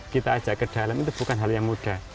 kita ajak ke dalam itu bukan hal yang mudah